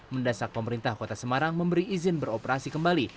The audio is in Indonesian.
mendasak pemerintah kota semarang memberi izin beroperasi kembali